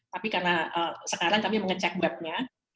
tapi karena sekarang kami mengecek webnya